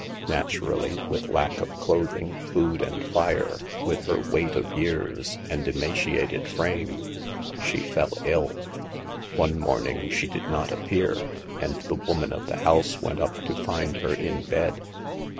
Nat urally, with lack of clothing, food and fire, with her weight of years, and emaciated frame, she fell ill. One morning she did not appear, and the woman of the house went up to find her in bed.